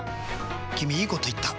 君いいこと言った！